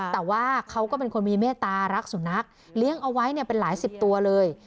แต่ว่าเขาก็เป็นคนมีเมตตารักสุนัขเลี้ยงเอาไว้เป็นหลายสิบตัวเลย